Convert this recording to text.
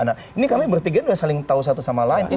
nah ini kami bertiga sudah saling tahu satu sama lain